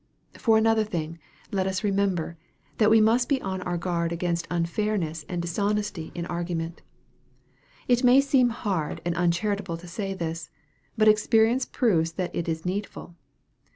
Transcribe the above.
For another thing, let us remember, we must be on our guard against unfairness and dishonesty in argument. It may seem hard and uncharitable to say this. But experience proves that it is needful.